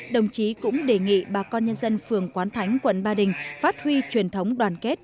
đồng chí cũng đề nghị bà con nhân dân phường quán thánh quận ba đình phát huy truyền thống đoàn kết